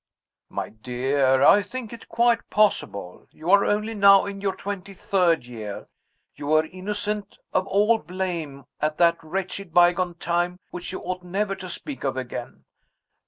"My dear! I think it quite possible. You are only now in your twenty third year. You were innocent of all blame at that wretched by gone time which you ought never to speak of again.